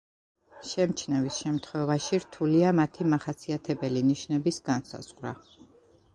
შემჩნევის შემთხვევაში, რთულია მათი მახასიათებელი ნიშნების განსაზღვრა.